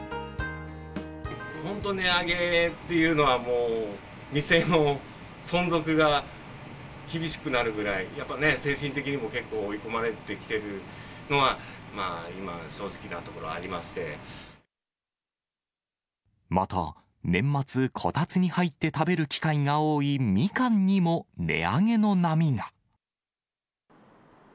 本当、値上げっていうのは、もう店の存続が厳しくなるぐらい、やっぱりね、精神的にも結構追い込まれてきてるのは、今、正直なところありままた年末、こたつに入って食べる機会が多いみかんにも値上げの波が。